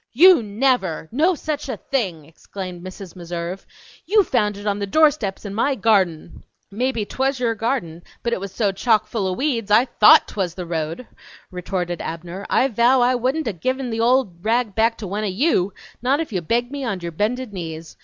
"You never, no such a thing!" exclaimed Mrs. Meserve. "You found it on the doorsteps in my garden!" "Mebbe twas your garden, but it was so chock full o' weeks I THOUGHT twas the road," retorted Abner. "I vow I wouldn't a' given the old rag back to one o' YOU, not if you begged me on your bended knees!